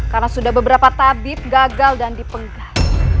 karena sudah beberapa tabib gagal dan dipenggal